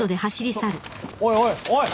ちょおいおいおい！